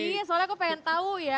ini soalnya aku pengen tahu ya